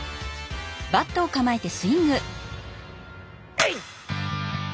えいっ！